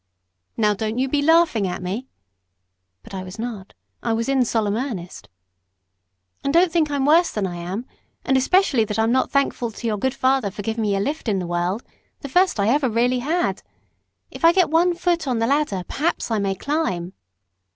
"Now don't you be laughing at me." (But I was not, I was in solemn earnest). "And don't think I'm worse than I am; and especially that I'm not thankful to your good father for giving me a lift in the world the first I ever really had. If I get one foot on the ladder, perhaps I may climb."